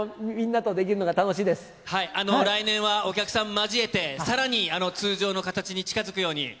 来年はお客さん交えて、さらに通常の形に近づくように。